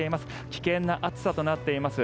危険な暑さとなっています。